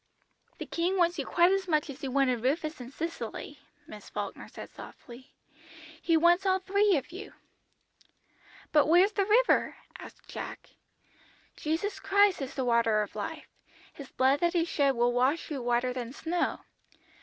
"The King wants you quite as much as He wanted Rufus and Cicely," Miss Falkner said softly; "He wants all three of you." "But where's the river?" asked Jack. "Jesus Christ is the Water of Life, His blood that He shed will wash you whiter than snow.